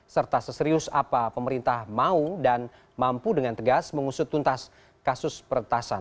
serta seserius apa pemerintah mau dan mampu dengan tegas mengusut tuntas kasus peretasan